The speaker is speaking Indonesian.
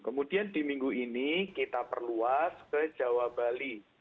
kemudian di minggu ini kita perluas ke jawa bali